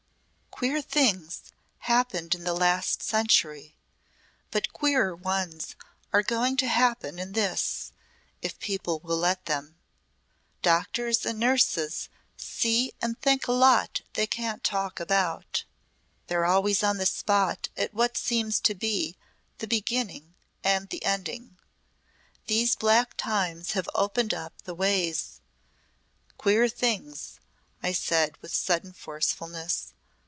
"Queer things happened in the last century, but queerer ones are going to happen in this if people will let them. Doctors and nurses see and think a lot they can't talk about. They're always on the spot at what seems to be the beginning and the ending. These black times have opened up the ways. 'Queer things,' I said," with sudden forcefulness.